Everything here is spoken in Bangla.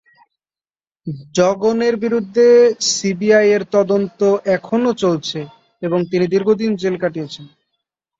জগনের বিরুদ্ধে সিবিআইয়ের তদন্ত এখনো চলছে এবং তিনি দীর্ঘদিন জেলে কাটিয়েছেন।